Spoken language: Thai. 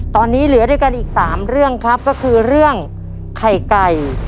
ตอนนี้เหลือด้วยกันอีก๓เรื่องครับก็คือเรื่องไข่ไก่